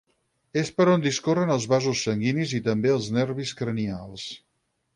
És per on discorren els vasos sanguinis i també els nervis cranials.